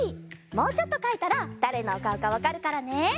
もうちょっとかいたらだれのおかおかわかるからね。